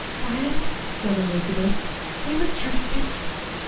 "Well," said Elizabeth, "we must risk it."